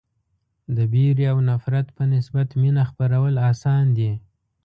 د وېرې او نفرت په نسبت مینه خپرول اسان دي.